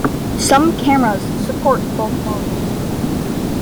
Some cameras support both modes.